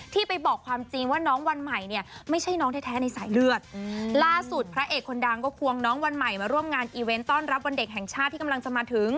ไปบอกความจริงว่าน้องวันใหม่เนี่ยไม่ใช่น้องแท้ในสายเลือดล่าสุดพระเอกคนดังก็ควงน้องวันใหม่มาร่วมงานอีเวนต์ต้อนรับวันเด็กแห่งชาติที่กำลังจะมาถึง